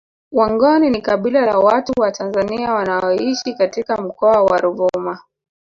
Wangoni ni kabila la watu wa Tanzania wanaoishi katika Mkoa wa Ruvuma